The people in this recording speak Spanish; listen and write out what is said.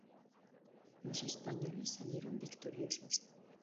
Los españoles salieron victoriosos.